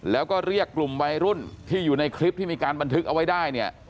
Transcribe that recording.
แล้วก็เรียกกลุ่มวัยรุ่นที่อยู่ในคลิปที่มีการบันทึกเอาไว้ได้เนี่ย